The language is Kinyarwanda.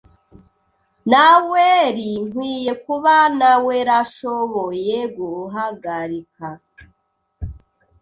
Naweri nkwiye kuba nawerashoboye guhagarika .